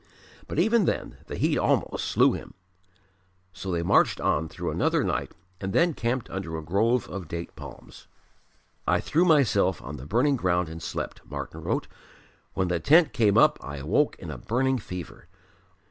But even then the heat almost slew him. So they marched on through another night and then camped under a grove of date palms. "I threw myself on the burning ground and slept," Martyn wrote. "When the tent came up I awoke in a burning fever.